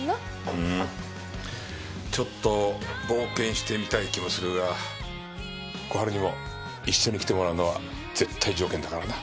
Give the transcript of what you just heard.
うーんちょっと冒険してみたい気もするが小春にも一緒に来てもらうのは絶対条件だからな？